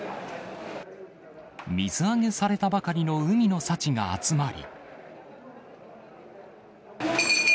水揚げされたばかりの海の幸が集まり。